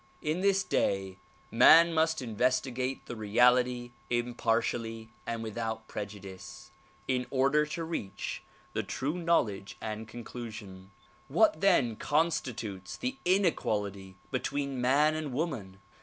In this day, man must inves tigate the reality impartially and without prejudice in order to reach the true knowledge and conclusion. What then constitutes the in equality between man and woman?